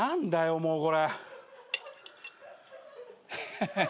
もうこれ。